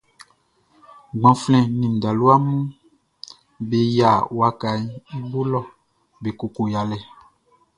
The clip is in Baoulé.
Gbanflɛn nin talua mun be yia wakaʼn i bo lɔ be koko yalɛ.